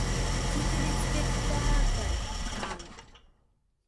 Тиде вет спектакль! — маныт.